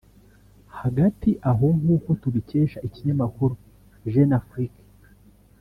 Hagati aho nk’uko tubikesha Ikinyamakuru Jeune Afrique